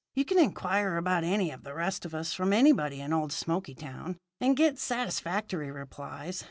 You can inquire about any of the rest of us from anybody in old Smoky Town, and get satisfactory replies.